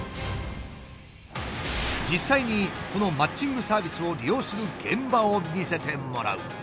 実際にこのマッチングサービスを利用する現場を見せてもらう。